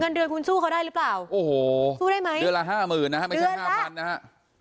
เงินเดือนคุณสู้เขาได้หรือเปล่าโอ้โหสู้ได้ไหมเดือนละห้าหมื่นนะฮะไม่ใช่ห้าพันนะฮะ